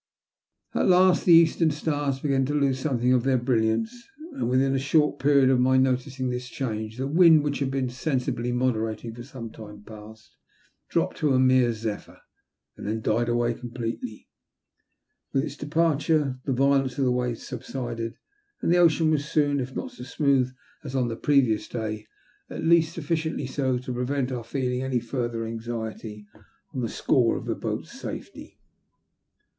At last the eastern stars began to lose something of 19« THE LUST OF HATE. their brilliance, and within a short period of mj noticing this change, the wind, which had been sensibly moderating for some time past, dropped to a mere zephyr, and then died away completely. With its departure the violence of the waves subsided, and the ocean was soon, if not so smooth as on the pre vious day, at least sufficiently so to prevent our feeling any further anxiety on the score of the boat's safety.